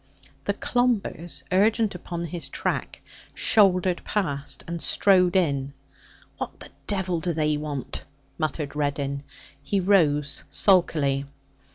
The Clombers, urgent upon his track, shouldered past and strode in. 'What the devil do they want?' muttered Reddin. He rose sulkily.